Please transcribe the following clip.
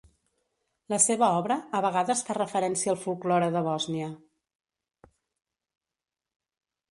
La seva obra a vegades fa referència al folklore de Bòsnia.